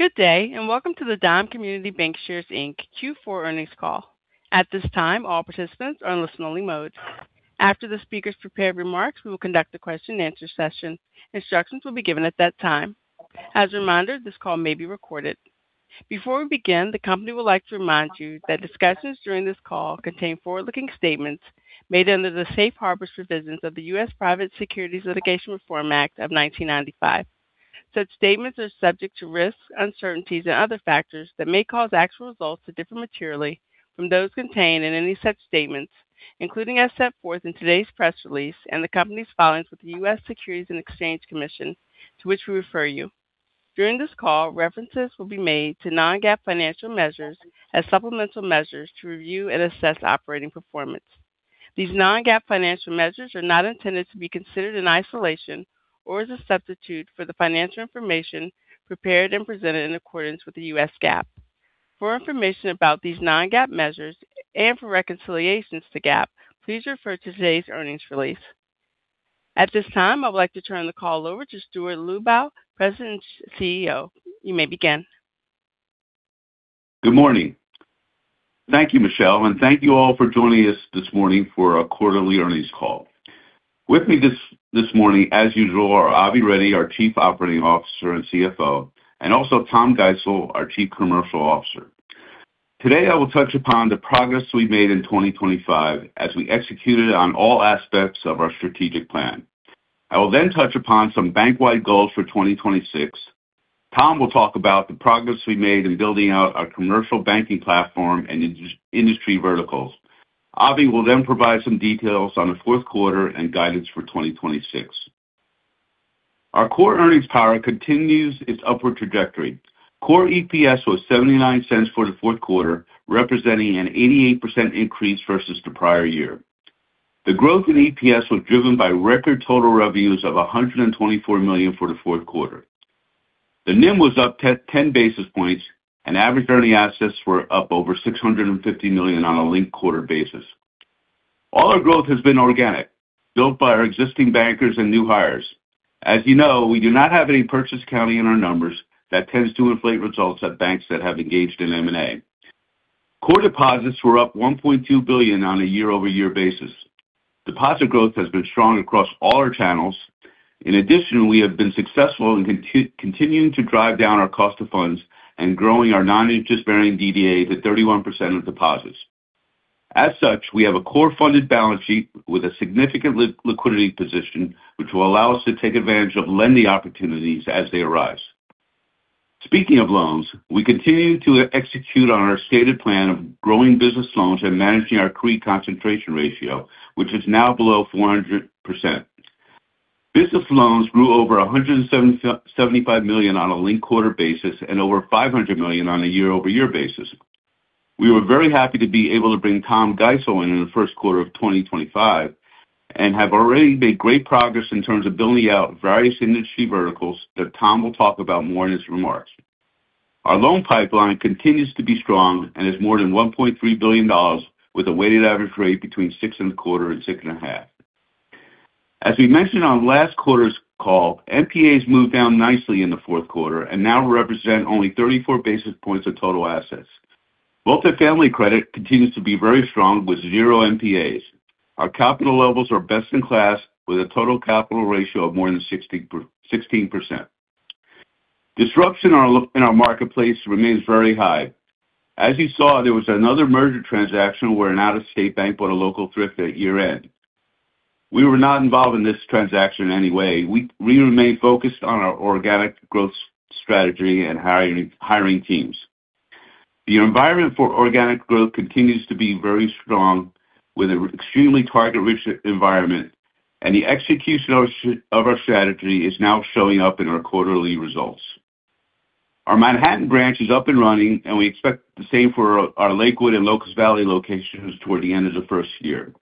Good day, and welcome to the Dime Community Bancshares, Inc. Q4 earnings call. At this time, all participants are in listen-only mode. After the speakers prepare remarks, we will conduct a question-and-answer session. Instructions will be given at that time. As a reminder, this call may be recorded. Before we begin, the company would like to remind you that discussions during this call contain forward-looking statements made under the Safe Harbor Provisions of the U.S. Private Securities Litigation Reform Act of 1995. Such statements are subject to risks, uncertainties, and other factors that may cause actual results to differ materially from those contained in any such statements, including as set forth in today's press release and the company's filings with the U.S. Securities and Exchange Commission, to which we refer you. During this call, references will be made to non-GAAP financial measures as supplemental measures to review and assess operating performance. These non-GAAP financial measures are not intended to be considered in isolation or as a substitute for the financial information prepared and presented in accordance with the U.S. GAAP. For information about these non-GAAP measures and for reconciliations to GAAP, please refer to today's earnings release. At this time, I would like to turn the call over to Stuart Lubow, President and CEO. You may begin. Good morning. Thank you, Michelle, and thank you all for joining us this morning for a quarterly earnings call. With me this morning, as usual, are Avi Reddy, our Chief Operating Officer and CFO, and also Tom Geisel, our Chief Commercial Officer. Today, I will touch upon the progress we made in 2025 as we executed on all aspects of our strategic plan. I will then touch upon some bank-wide goals for 2026. Tom will talk about the progress we made in building out our commercial banking platform and industry verticals. Avi will then provide some details on the fourth quarter and guidance for 2026. Our core earnings power continues its upward trajectory. Core EPS was $0.79 for the fourth quarter, representing an 88% increase versus the prior year. The growth in EPS was driven by record total revenues of $124 million for the fourth quarter. The NIM was up 10 basis points, and average earning assets were up over $650 million on a linked-quarter basis. All our growth has been organic, built by our existing bankers and new hires. As you know, we do not have any purchase accounting in our numbers that tends to inflate results at banks that have engaged in M&A. Core deposits were up $1.2 billion on a year-over-year basis. Deposit growth has been strong across all our channels. In addition, we have been successful in continuing to drive down our cost of funds and growing our non-interest-bearing DDA to 31% of deposits. As such, we have a core funded balance sheet with a significant liquidity position, which will allow us to take advantage of lending opportunities as they arise. Speaking of loans, we continue to execute on our stated plan of growing business loans and managing our CRE concentration ratio, which is now below 400%. Business loans grew over $175 million on a linked-quarter basis and over $500 million on a year-over-year basis. We were very happy to be able to bring Tom Geisel in in the first quarter of 2025 and have already made great progress in terms of building out various industry verticals that Tom will talk about more in his remarks. Our loan pipeline continues to be strong and is more than $1.3 billion, with a weighted average rate between 6.25 and 6.5. As we mentioned on last quarter's call, NPAs moved down nicely in the fourth quarter and now represent only 34 basis points of total assets. Multifamily credit continues to be very strong with zero NPAs. Our capital levels are best in class with a total capital ratio of more than 16%. Disruption in our marketplace remains very high. As you saw, there was another merger transaction where an out-of-state bank bought a local thrift at year-end. We were not involved in this transaction in any way. We remain focused on our organic growth strategy and hiring teams. The environment for organic growth continues to be very strong with an extremely target-rich environment, and the execution of our strategy is now showing up in our quarterly results. Our Manhattan branch is up and running, and we expect the same for our Lakewood and Locust Valley locations toward the end of the first year.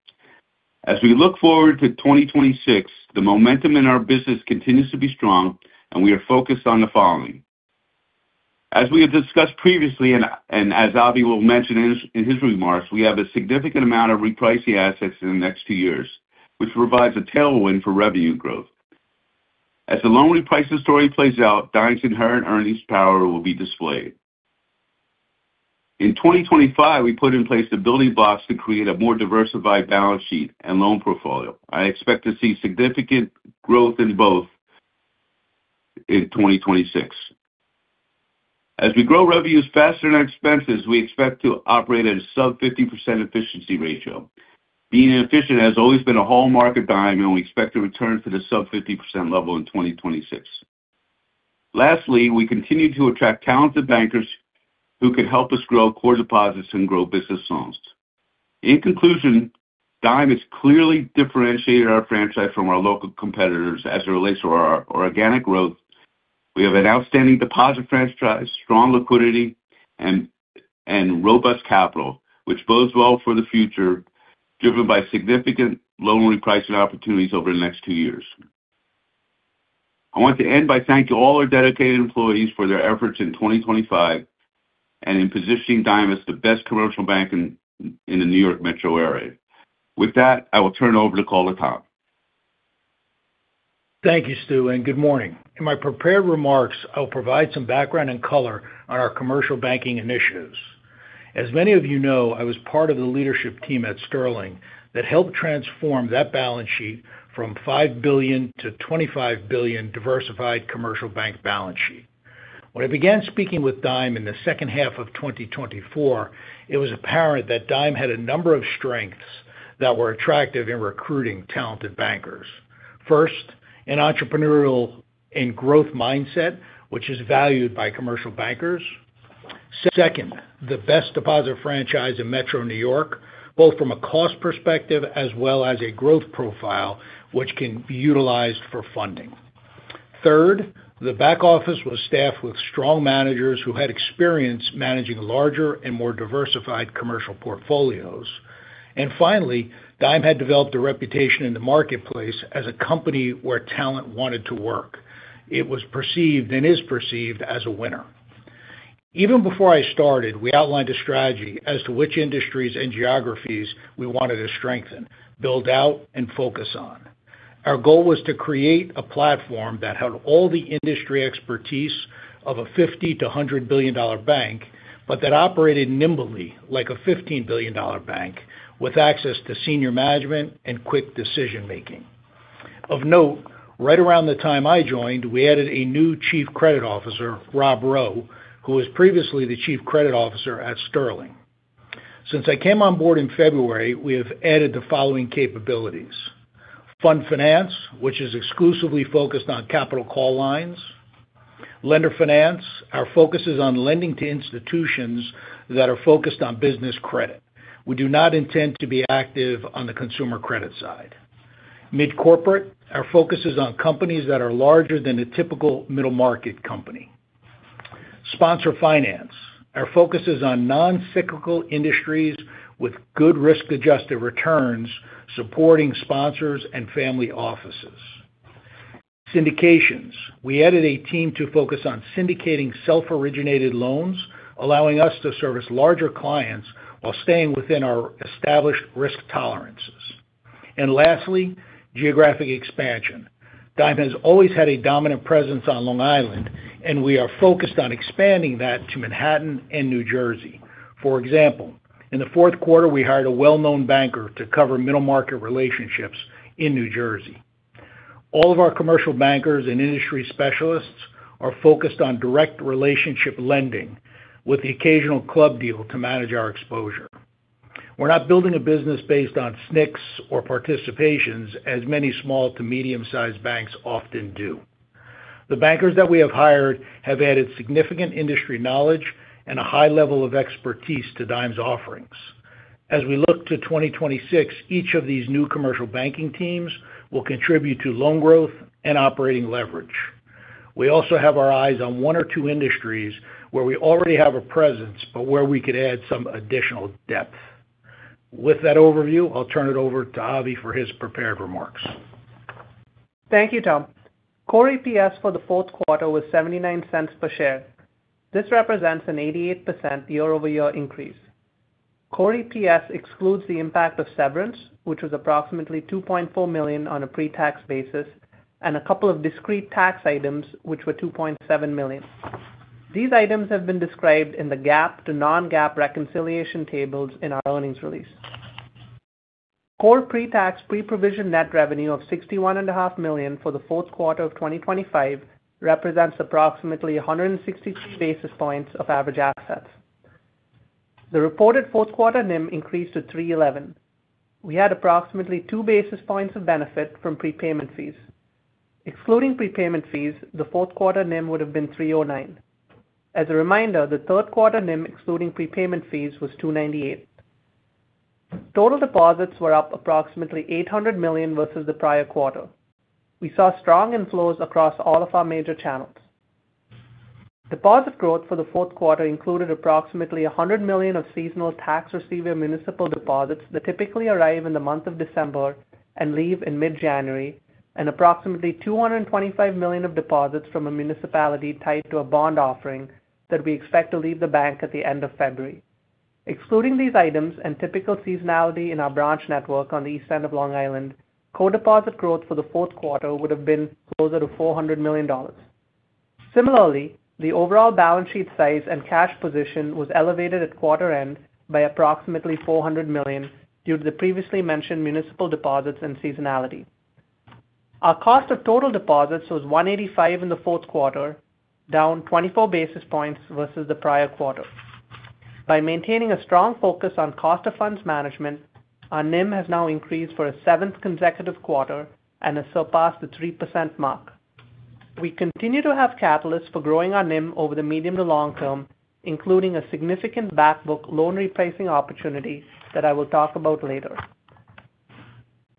As we look forward to 2026, the momentum in our business continues to be strong, and we are focused on the following. As we have discussed previously and as Avi will mention in his remarks, we have a significant amount of repricing assets in the next two years, which provides a tailwind for revenue growth. As the loan repricing story plays out, Dime's inherent earnings power will be displayed. In 2025, we put in place the building blocks to create a more diversified balance sheet and loan portfolio. I expect to see significant growth in both in 2026. As we grow revenues faster than expenses, we expect to operate at a sub-50% efficiency ratio. Being efficient has always been a hallmark of Dime, and we expect to return to the sub-50% level in 2026. Lastly, we continue to attract talented bankers who can help us grow core deposits and grow business loans. In conclusion, Dime has clearly differentiated our franchise from our local competitors as it relates to our organic growth. We have an outstanding deposit franchise, strong liquidity, and robust capital, which bodes well for the future, driven by significant loan repricing opportunities over the next two years. I want to end by thanking all our dedicated employees for their efforts in 2025 and in positioning Dime as the best commercial bank in the New York Metro Area. With that, I will turn it over to Tom. Thank you, Stuart. And good morning. In my prepared remarks, I'll provide some background and color on our commercial banking initiatives. As many of you know, I was part of the leadership team at Sterling that helped transform that balance sheet from $5 billion to $25 billion diversified commercial bank balance sheet. When I began speaking with Dime in the second half of 2024, it was apparent that Dime had a number of strengths that were attractive in recruiting talented bankers. First, an entrepreneurial and growth mindset, which is valued by commercial bankers. Second, the best deposit franchise in Metro New York, both from a cost perspective as well as a growth profile, which can be utilized for funding. Third, the back office was staffed with strong managers who had experience managing larger and more diversified commercial portfolios. And finally, Dime had developed a reputation in the marketplace as a company where talent wanted to work. It was perceived and is perceived as a winner. Even before I started, we outlined a strategy as to which industries and geographies we wanted to strengthen, build out, and focus on. Our goal was to create a platform that had all the industry expertise of a $50-$100 billion bank, but that operated nimbly like a $15 billion bank with access to senior management and quick decision-making. Of note, right around the time I joined, we added a new Chief Credit Officer, Rob Rowe, who was previously the Chief Credit Officer at Sterling. Since I came on board in February, we have added the following capabilities: Fund Finance, which is exclusively focused on capital call lines. Lender Finance, our focus is on lending to institutions that are focused on business credit. We do not intend to be active on the consumer credit side. Mid-Corporate, our focus is on companies that are larger than a typical middle-market company. Sponsor Finance, our focus is on non-cyclical industries with good risk-adjusted returns supporting sponsors and family offices. Syndications, we added a team to focus on syndicating self-originated loans, allowing us to service larger clients while staying within our established risk tolerances. And lastly, geographic expansion. Dime has always had a dominant presence on Long Island, and we are focused on expanding that to Manhattan and New Jersey. For example, in the fourth quarter, we hired a well-known banker to cover middle-market relationships in New Jersey. All of our commercial bankers and industry specialists are focused on direct relationship lending with the occasional club deal to manage our exposure. We're not building a business based on SNCs or participations as many small to medium-sized banks often do. The bankers that we have hired have added significant industry knowledge and a high level of expertise to Dime's offerings. As we look to 2026, each of these new commercial banking teams will contribute to loan growth and operating leverage. We also have our eyes on one or two industries where we already have a presence, but where we could add some additional depth. With that overview, I'll turn it over to Avi for his prepared remarks. Thank you, Tom. Core EPS for the fourth quarter was $0.79 per share. This represents an 88% year-over-year increase. Core EPS excludes the impact of severance, which was approximately $2.4 million on a pre-tax basis, and a couple of discrete tax items, which were $2.7 million. These items have been described in the GAAP to non-GAAP reconciliation tables in our earnings release. Core pre-tax pre-provision net revenue of $61.5 million for the fourth quarter of 2025 represents approximately 163 basis points of average assets. The reported fourth quarter NIM increased to 311 basis points. We had approximately two basis points of benefit from prepayment fees. Excluding prepayment fees, the fourth quarter NIM would have been 309 basis points. As a reminder, the third quarter NIM excluding prepayment fees was 298 basis points. Total deposits were up approximately $800 million versus the prior quarter. We saw strong inflows across all of our major channels. Deposit growth for the fourth quarter included approximately $100 million of seasonal Tax Receiver municipal deposits that typically arrive in the month of December and leave in mid-January, and approximately $225 million of deposits from a municipality tied to a bond offering that we expect to leave the bank at the end of February. Excluding these items and typical seasonality in our branch network on the East End of Long Island, core deposit growth for the fourth quarter would have been closer to $400 million. Similarly, the overall balance sheet size and cash position was elevated at quarter end by approximately $400 million due to the previously mentioned municipal deposits and seasonality. Our cost of total deposits was 185 basis points in the fourth quarter, down 24 basis points versus the prior quarter. By maintaining a strong focus on cost of funds management, our NIM has now increased for a seventh consecutive quarter and has surpassed the 3% mark. We continue to have catalysts for growing our NIM over the medium to long term, including a significant backbook loan repricing opportunity that I will talk about later.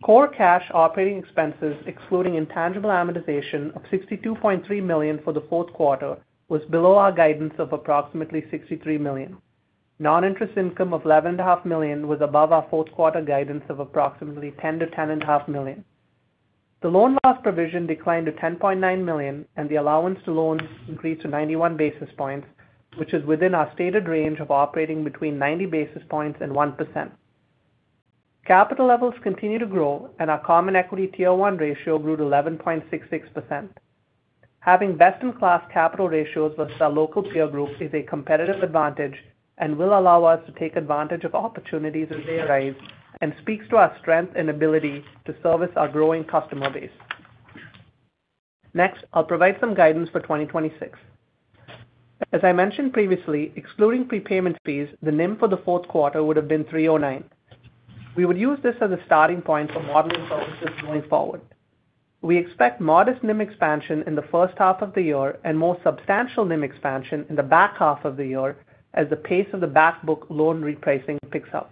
Core cash operating expenses, excluding intangible amortization of $62.3 million for the fourth quarter, was below our guidance of approximately $63 million. Non-interest income of $11.5 million was above our fourth quarter guidance of approximately $10 to $10.5 million. The loan loss provision declined to $10.9 million, and the allowance to loans increased to 91 basis points, which is within our stated range of operating between 90 basis points and 1%. Capital levels continue to grow, and our common equity tier 1 ratio grew to 11.66%. Having best-in-class capital ratios versus our local peer group is a competitive advantage and will allow us to take advantage of opportunities as they arise and speaks to our strength and ability to service our growing customer base. Next, I'll provide some guidance for 2026. As I mentioned previously, excluding prepayment fees, the NIM for the fourth quarter would have been 3.09%. We would use this as a starting point for modeling focuses going forward. We expect modest NIM expansion in the first half of the year and more substantial NIM expansion in the back half of the year as the pace of the backbook loan repricing picks up.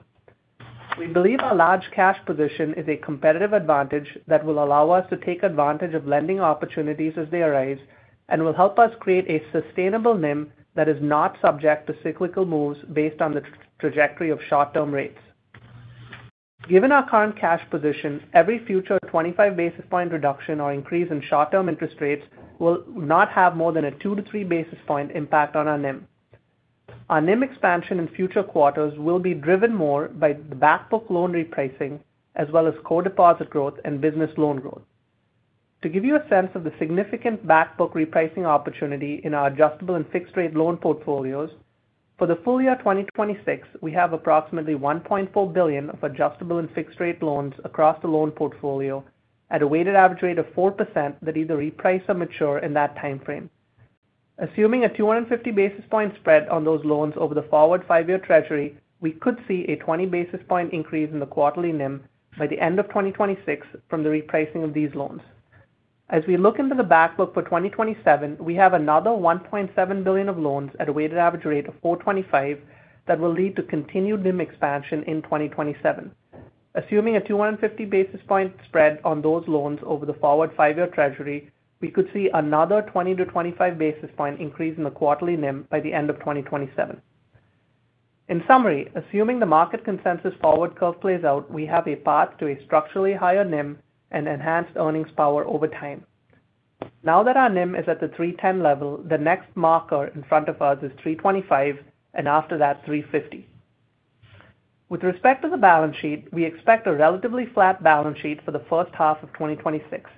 We believe our large cash position is a competitive advantage that will allow us to take advantage of lending opportunities as they arise and will help us create a sustainable NIM that is not subject to cyclical moves based on the trajectory of short-term rates. Given our current cash position, every future 25 basis point reduction or increase in short-term interest rates will not have more than a two to three basis point impact on our NIM. Our NIM expansion in future quarters will be driven more by the backbook loan repricing as well as core deposit growth and business loan growth. To give you a sense of the significant backbook repricing opportunity in our adjustable and fixed-rate loan portfolios, for the full year 2026, we have approximately $1.4 billion of adjustable and fixed-rate loans across the loan portfolio at a weighted average rate of 4% that either reprice or mature in that time frame. Assuming a 250 basis points spread on those loans over the forward five-year treasury, we could see a 20 basis points increase in the quarterly NIM by the end of 2026 from the repricing of these loans. As we look into the backbook for 2027, we have another $1.7 billion of loans at a weighted average rate of 4.25% that will lead to continued NIM expansion in 2027. Assuming a 250 basis point spread on those loans over the forward five-year treasury, we could see another 20-25 basis point increase in the quarterly NIM by the end of 2027. In summary, assuming the market consensus forward curve plays out, we have a path to a structurally higher NIM and enhanced earnings power over time. Now that our NIM is at the $310 level, the next marker in front of us is $325, and after that, $350. With respect to the balance sheet, we expect a relatively flat balance sheet for the first half of 2026.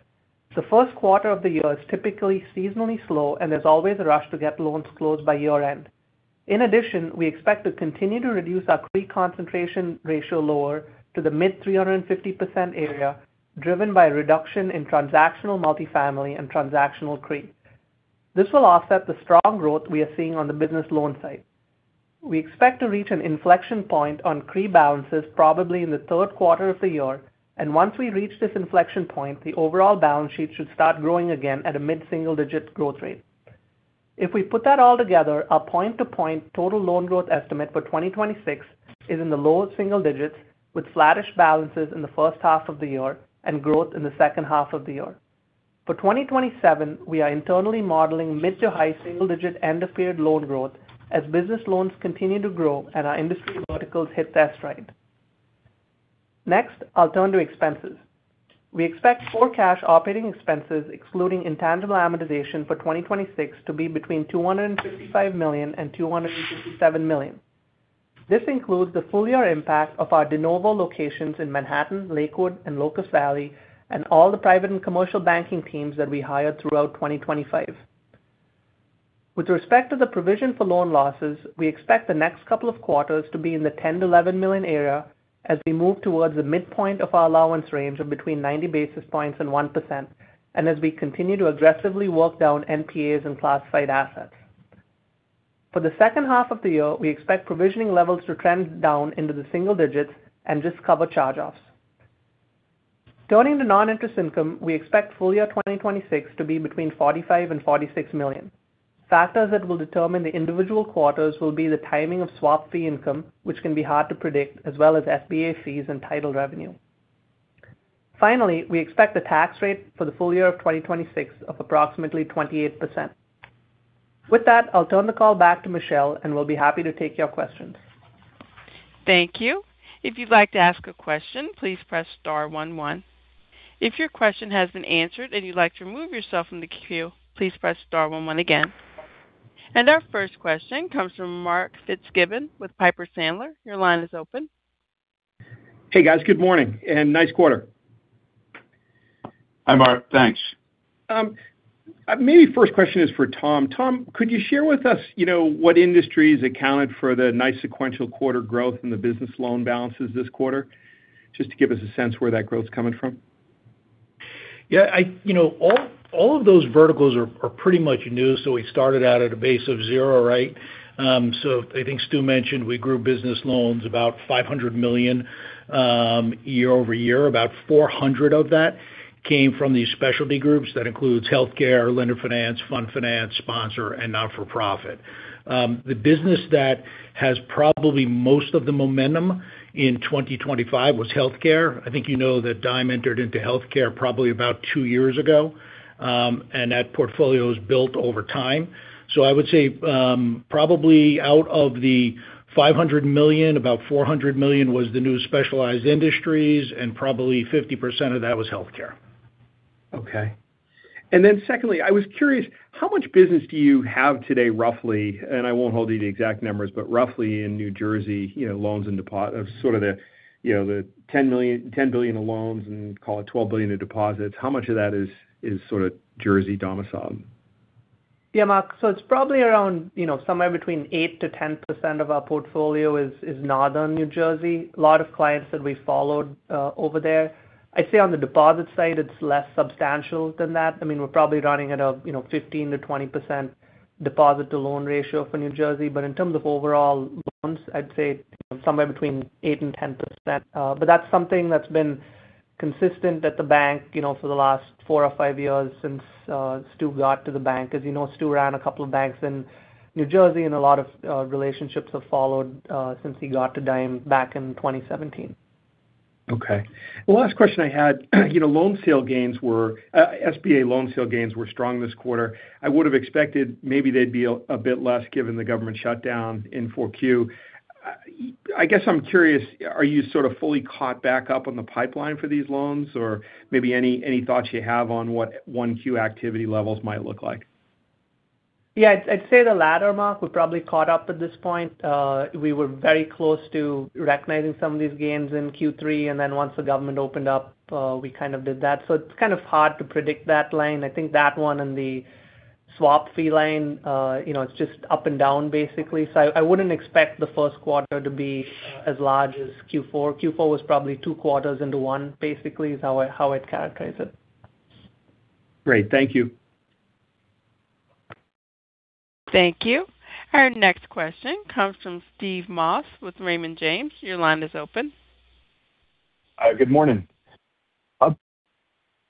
The first quarter of the year is typically seasonally slow, and there's always a rush to get loans closed by year-end. In addition, we expect to continue to reduce our CRE concentration ratio lower to the mid-350% area, driven by a reduction in transactional multifamily and transactional CRE. This will offset the strong growth we are seeing on the business loan side. We expect to reach an inflection point on CRE balances probably in the third quarter of the year, and once we reach this inflection point, the overall balance sheet should start growing again at a mid-single-digit growth rate. If we put that all together, our point-to-point total loan growth estimate for 2026 is in the lowest single digits, with flatish balances in the first half of the year and growth in the second half of the year. For 2027, we are internally modeling mid-to-high single-digit end-of-year loan growth as business loans continue to grow and our industry verticals hit their stride. Next, I'll turn to expenses. We expect core cash operating expenses, excluding intangible amortization for 2026, to be between $255 million and $257 million. This includes the full-year impact of our de novo locations in Manhattan, Lakewood, and Locust Valley, and all the private and commercial banking teams that we hired throughout 2025. With respect to the provision for loan losses, we expect the next couple of quarters to be in the $10-$11 million area as we move towards the midpoint of our allowance range of between 90 basis points and 1%, and as we continue to aggressively work down NPAs and classified assets. For the second half of the year, we expect provisioning levels to trend down into the single digits and just cover charge-offs. Turning to non-interest income, we expect full year 2026 to be between $45 and $46 million. Factors that will determine the individual quarters will be the timing of swap fee income, which can be hard to predict, as well as SBA fees and title revenue. Finally, we expect the tax rate for the full year of 2026 of approximately 28%. With that, I'll turn the call back to Michelle, and we'll be happy to take your questions. Thank you. If you'd like to ask a question, please press star 11. If your question has been answered and you'd like to remove yourself from the queue, please press star 11 again. And our first question comes from Mark Fitzgibbon with Piper Sandler. Your line is open. Hey, guys. Good morning and nice quarter. Hi, Mark. Thanks. Maybe first question is for Tom. Tom, could you share with us what industries accounted for the nice sequential quarter growth in the business loan balances this quarter, just to give us a sense where that growth's coming from? Yeah. All of those verticals are pretty much new, so we started out at a base of zero, right? So I think Stu mentioned we grew business loans about $500 million year over year. About 400 of that came from these specialty groups. That includes healthcare, lender finance, fund finance, sponsor, and not-for-profit. The business that has probably most of the momentum in 2025 was healthcare. I think you know that Dime entered into healthcare probably about two years ago, and that portfolio has built over time. So I would say probably out of the $500 million, about $400 million was the new specialized industries, and probably 50% of that was healthcare. Okay. And then secondly, I was curious, how much business do you have today roughly? And I won't hold any exact numbers, but roughly in New Jersey, loans and deposits, sort of the $10 billion of loans and call it $12 billion of deposits, how much of that is sort of Jersey domiciled? Yeah, Mark. So it's probably around somewhere between eight% to 10% of our portfolio is Northern New Jersey. A lot of clients that we followed over there. I'd say on the deposit side, it's less substantial than that. I mean, we're probably running at a 15%-20% deposit-to-loan ratio for New Jersey. But in terms of overall loans, I'd say somewhere between eight% and 10%. But that's something that's been consistent at the bank for the last four or five years since Stu got to the bank. As you know, Stu ran a couple of banks in New Jersey, and a lot of relationships have followed since he got to Dime back in 2017. Okay. The last question I had, SBA loan sale gains were strong this quarter. I would have expected maybe they'd be a bit less given the government shutdown in 4Q. I guess I'm curious, are you sort of fully caught back up on the pipeline for these loans, or maybe any thoughts you have on what 1Q activity levels might look like? Yeah. I'd say the latter, Mark. We're probably caught up at this point. We were very close to recognizing some of these gains in Q3, and then once the government opened up, we kind of did that. So it's kind of hard to predict that line. I think that one and the swap fee line, it's just up and down, basically. So I wouldn't expect the first quarter to be as large as Q4. Q4 was probably two quarters into one, basically, is how I'd characterize it. Great. Thank you. Thank you. Our next question comes from Steve Moss with Raymond James. Your line is open. Good morning.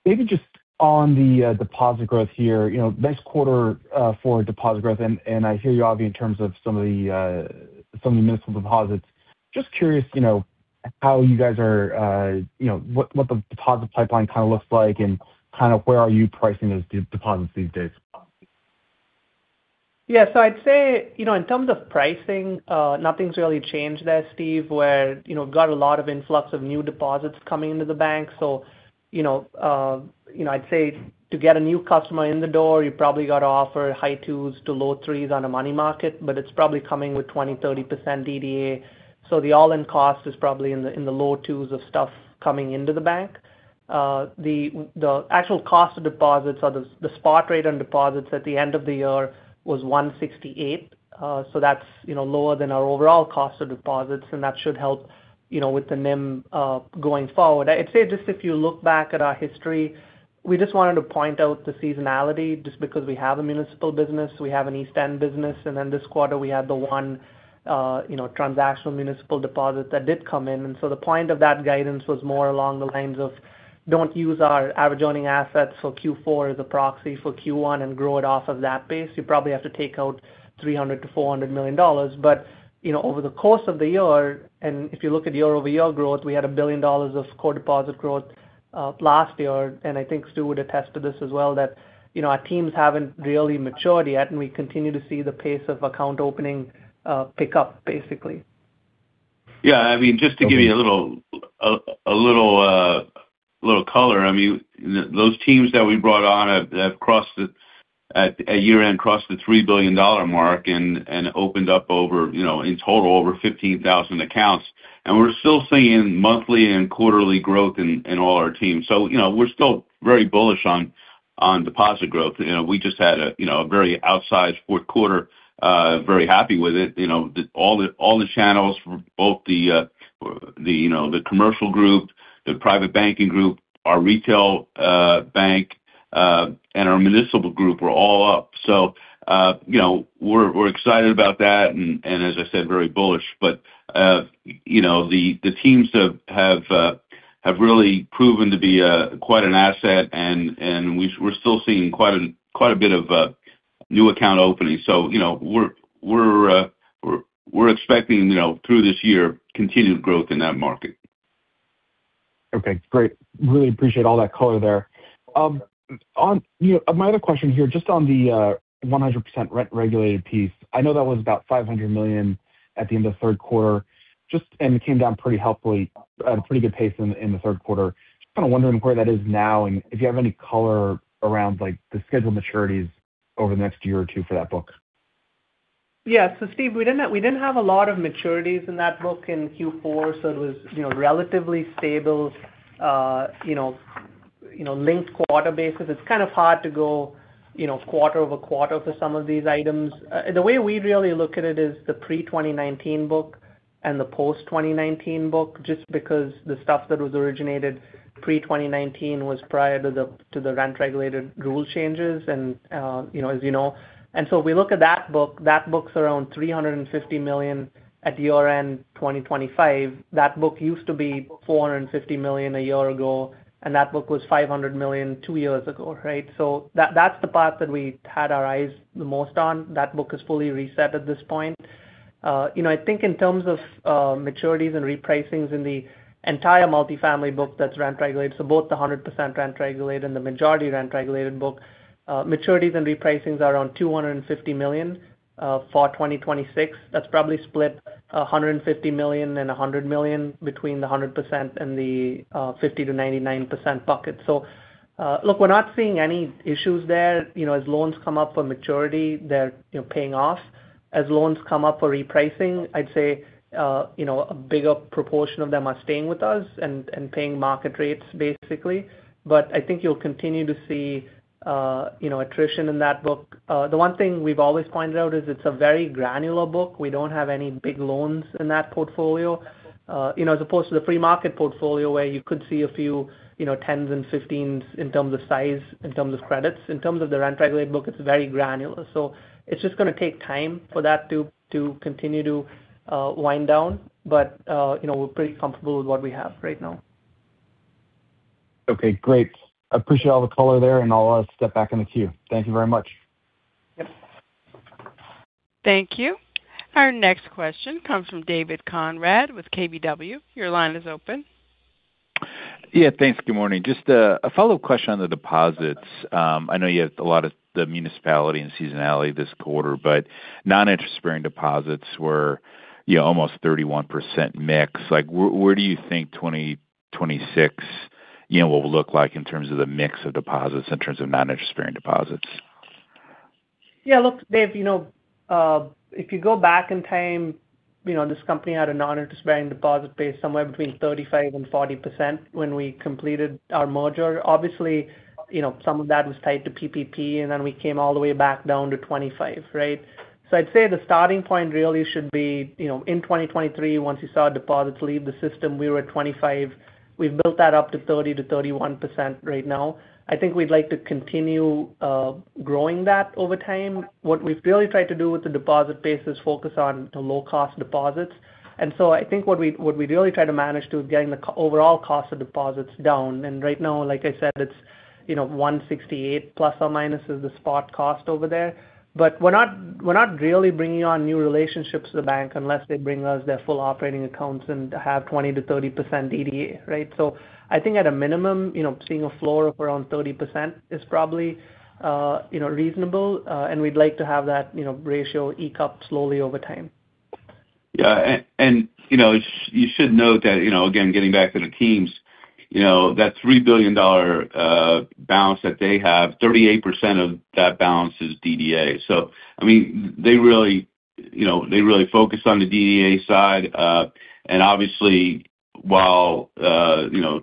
Maybe just on the deposit growth here, nice quarter for deposit growth, and I hear you obviously in terms of some of the municipal deposits. Just curious how you guys are, what the deposit pipeline kind of looks like, and kind of where are you pricing those deposits these days? Yeah. So I'd say in terms of pricing, nothing's really changed there, Steve, where we've got a lot of influx of new deposits coming into the bank. So I'd say to get a new customer in the door, you probably got to offer high twos to low threes on a money market, but it's probably coming with 20%-30% DDA. So the all-in cost is probably in the low twos of stuff coming into the bank. The actual cost of deposits, the spot rate on deposits at the end of the year was $168. So that's lower than our overall cost of deposits, and that should help with the NIM going forward. I'd say just if you look back at our history, we just wanted to point out the seasonality just because we have a municipal business. We have an East End business, and then this quarter we had the one transactional municipal deposit that did come in. And so the point of that guidance was more along the lines of, "Don't use our average earning assets for Q4 as a proxy for Q1 and grow it off of that base. You probably have to take out $300 to 400 million." But over the course of the year, and if you look at year-over-year growth, we had $1 billion of core deposit growth last year. And I think Stu would attest to this as well, that our teams haven't really matured yet, and we continue to see the pace of account opening pick up, basically. Yeah. I mean, just to give you a little color, I mean, those teams that we brought on at year-end crossed the $3 billion mark and opened up in total over 15,000 accounts. And we're still seeing monthly and quarterly growth in all our teams. So we're still very bullish on deposit growth. We just had a very outsized fourth quarter, very happy with it. All the channels, both the commercial group, the private banking group, our retail bank, and our municipal group were all up. So we're excited about that and, as I said, very bullish. But the teams have really proven to be quite an asset, and we're still seeing quite a bit of new account opening. So we're expecting through this year continued growth in that market. Okay. Great. Really appreciate all that color there. My other question here, just on the 100% rent-regulated piece, I know that was about $500 million at the end of third quarter, and it came down pretty healthily, at a pretty good pace in the third quarter. Just kind of wondering where that is now, and if you have any color around the scheduled maturities over the next year or two for that book? Yeah. So, Steve, we didn't have a lot of maturities in that book in Q4, so it was relatively stable linked-quarter basis. It's kind of hard to go quarter over quarter for some of these items. The way we really look at it is the pre-2019 book and the post-2019 book, just because the stuff that was originated pre-2019 was prior to the rent-regulated rule changes, as you know. And so we look at that book. That book's around $350 million at year-end 2025. That book used to be $450 million a year ago, and that book was $500 million two years ago, right? So that's the path that we had our eyes the most on. That book is fully reset at this point. I think in terms of maturities and repricings in the entire multifamily book that's rent-regulated, so both the 100% rent-regulated and the majority rent-regulated book, maturities and repricings are around $250 million for 2026. That's probably split $150 million and $100 million between the 100% and the 50 to 99% bucket. So, look, we're not seeing any issues there. As loans come up for maturity, they're paying off. As loans come up for repricing, I'd say a bigger proportion of them are staying with us and paying market rates, basically. But I think you'll continue to see attrition in that book. The one thing we've always pointed out is it's a very granular book. We don't have any big loans in that portfolio. As opposed to the free market portfolio where you could see a few tens and fifteens in terms of size, in terms of credits. In terms of the rent-regulated book, it's very granular. So it's just going to take time for that to continue to wind down, but we're pretty comfortable with what we have right now. Okay. Great. I appreciate all the color there, and I'll step back in the queue. Thank you very much. Yep. Thank you. Our next question comes from David Konrad with KBW. Your line is open. Yeah. Thanks. Good morning. Just a follow-up question on the deposits. I know you had a lot of the municipality and seasonality this quarter, but non-interest-bearing deposits were almost 31% mix. Where do you think 2026 will look like in terms of the mix of deposits, in terms of non-interest-bearing deposits? Yeah. Look, Dave, if you go back in time, this company had a non-interest-bearing deposit pace somewhere between 35% and 40% when we completed our merger. Obviously, some of that was tied to PPP, and then we came all the way back down to 25%, right? So I'd say the starting point really should be in 2023, once you saw deposits leave the system, we were at 25%. We've built that up to 30% to 31% right now. I think we'd like to continue growing that over time. What we've really tried to do with the deposit base is focus on low-cost deposits, and so I think what we really try to manage to is getting the overall cost of deposits down, and right now, like I said, it's $168 plus or minus, the spot cost over there. But we're not really bringing on new relationships to the bank unless they bring us their full operating accounts and have 20%-30% DDA, right? So I think at a minimum, seeing a floor of around 30% is probably reasonable, and we'd like to have that ratio eke up slowly over time. Yeah. And you should note that, again, getting back to the teams, that $3 billion balance that they have, 38% of that balance is DDA. So, I mean, they really focus on the DDA side. And obviously, while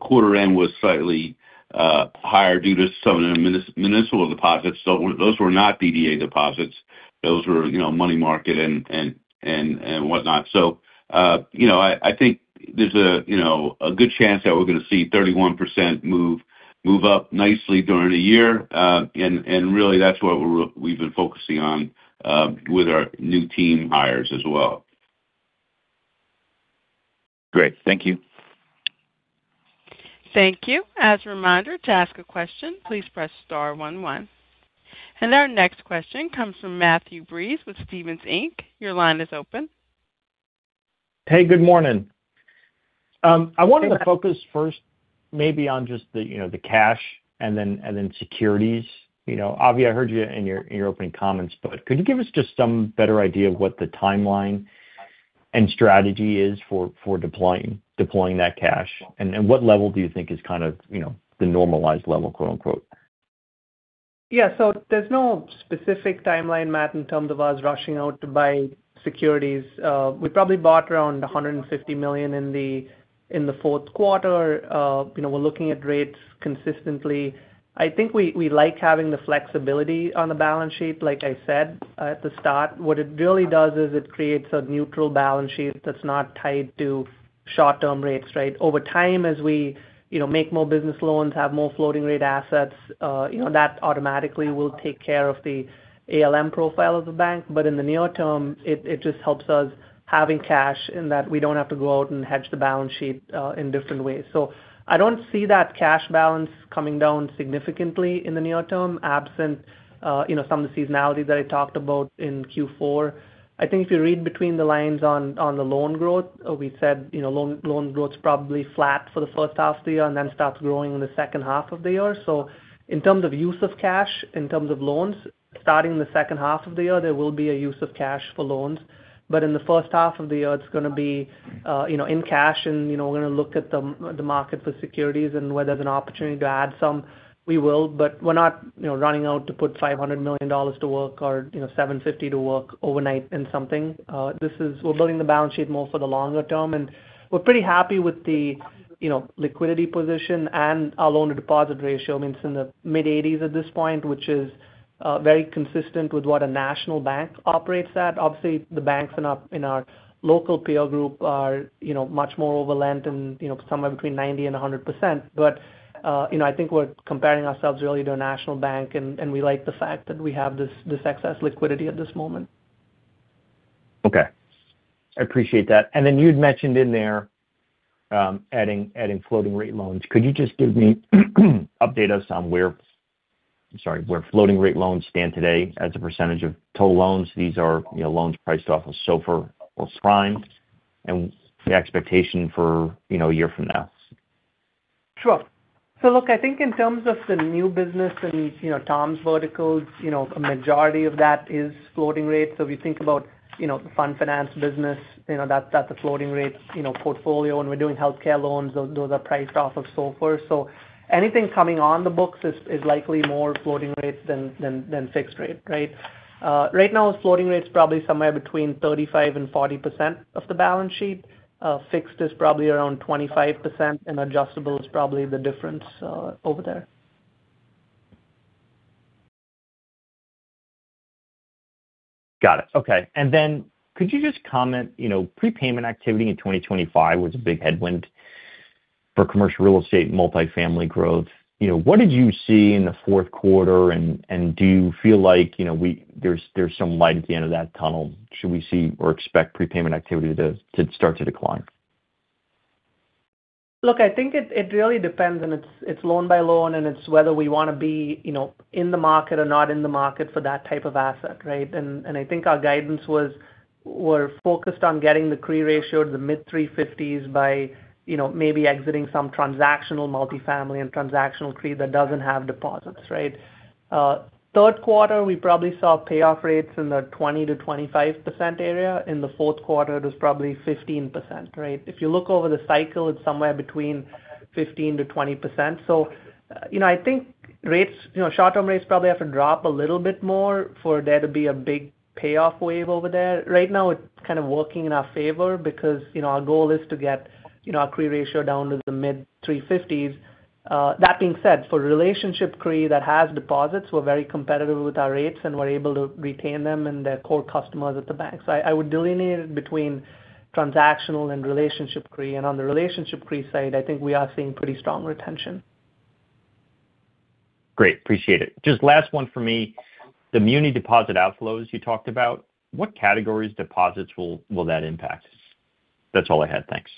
quarter-end was slightly higher due to some of the municipal deposits, those were not DDA deposits. Those were money market and whatnot. So I think there's a good chance that we're going to see 31% move up nicely during the year. And really, that's what we've been focusing on with our new team hires as well. Great. Thank you. Thank you. As a reminder, to ask a question, please press star 11. And our next question comes from Matthew Breese with Stephens Inc. Your line is open. Hey, good morning. I wanted to focus first maybe on just the cash and then securities. Obviously, I heard you in your opening comments, but could you give us just some better idea of what the timeline and strategy is for deploying that cash? And what level do you think is kind of the "normalized level"? Yeah. So there's no specific timeline, Matt, in terms of us rushing out to buy securities. We probably bought around $150 million in the fourth quarter. We're looking at rates consistently. I think we like having the flexibility on the balance sheet, like I said at the start. What it really does is it creates a neutral balance sheet that's not tied to short-term rates, right? Over time, as we make more business loans, have more floating-rate assets, that automatically will take care of the ALM profile of the bank. But in the near term, it just helps us having cash in that we don't have to go out and hedge the balance sheet in different ways. So I don't see that cash balance coming down significantly in the near term, absent some of the seasonality that I talked about in Q4. I think if you read between the lines on the loan growth, we said loan growth's probably flat for the first half of the year and then starts growing in the second half of the year. So in terms of use of cash, in terms of loans, starting the second half of the year, there will be a use of cash for loans. But in the first half of the year, it's going to be in cash, and we're going to look at the market for securities and whether there's an opportunity to add some. We will, but we're not running out to put $500 million to work or $750 to work overnight in something. We're building the balance sheet more for the longer term, and we're pretty happy with the liquidity position and our loan-to-deposit ratio. I mean, it's in the mid-80s at this point, which is very consistent with what a national bank operates at. Obviously, the banks in our local peer group are much more overlent and somewhere between 90% and 100%. But I think we're comparing ourselves really to a national bank, and we like the fact that we have this excess liquidity at this moment. Okay. I appreciate that. And then you'd mentioned in there adding floating-rate loans. Could you just give me an update of somewhere, I'm sorry, where floating-rate loans stand today as a percentage of total loans? These are loans priced off of SOFR or prime, and the expectation for a year from now? Sure. So, look, I think in terms of the new business and Tom's verticals, a majority of that is floating rate. So if you think about the fund finance business, that's a floating-rate portfolio. When we're doing healthcare loans, those are priced off of SOFR. So anything coming on the books is likely more floating rate than fixed rate, right? Right now, floating rate's probably somewhere between 35%-40% of the balance sheet. Fixed is probably around 25%, and adjustable is probably the difference over there. Got it. Okay. And then could you just comment? Prepayment activity in 2025 was a big headwind for commercial real estate multifamily growth. What did you see in the fourth quarter, and do you feel like there's some light at the end of that tunnel? Should we see or expect prepayment activity to start to decline? Look, I think it really depends, and it's loan by loan, and it's whether we want to be in the market or not in the market for that type of asset, right? And I think our guidance was we're focused on getting the CRE ratio to the mid-350s by maybe exiting some transactional multifamily and transactional CRE that doesn't have deposits, right? Third quarter, we probably saw payoff rates in the 20%-25% area. In the fourth quarter, it was probably 15%, right? If you look over the cycle, it's somewhere between 15%-20%. So I think short-term rates probably have to drop a little bit more for there to be a big payoff wave over there. Right now, it's kind of working in our favor because our goal is to get our CRE ratio down to the mid-350s. That being said, for relationship CRE that has deposits, we're very competitive with our rates, and we're able to retain them and their core customers at the bank, so I would delineate it between transactional and relationship CRE, and on the relationship CRE side, I think we are seeing pretty strong retention. Great. Appreciate it. Just last one for me. The muni deposit outflows you talked about, what categories of deposits will that impact? That's all I had. Thanks.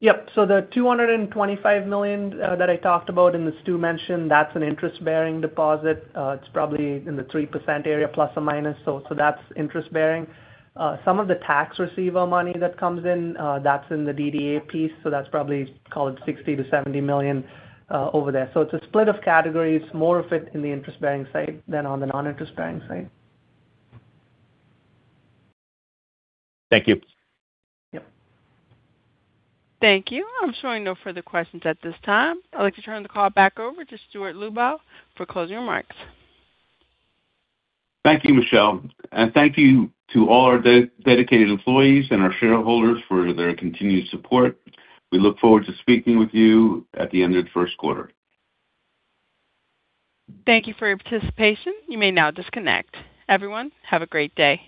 Yep. So the $225 million that I talked about and the Stu mentioned, that's an interest-bearing deposit. It's probably in the 3% area plus or minus. So that's interest-bearing. Some of the tax receiver money that comes in, that's in the DDA piece. So that's probably called $60 million-$70 million over there. So it's a split of categories, more of it in the interest-bearing side than on the non-interest-bearing side. Thank you. Yep. Thank you. I'm showing no further questions at this time. I'd like to turn the call back over to Stuart Lubow for closing remarks. Thank you, Michelle, and thank you to all our dedicated employees and our shareholders for their continued support. We look forward to speaking with you at the end of the first quarter. Thank you for your participation. You may now disconnect. Everyone, have a great day.